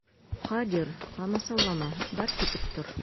Ҡадир, ҡамасаулама, бар, китеп тор.